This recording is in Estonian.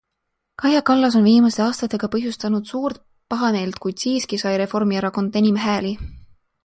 Kaja Kallas on viimaste aastatega põhjustanud suurt pahameelt, kuid siiski sai Reformierakond enim hääli.